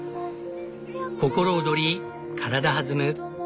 心躍り体弾む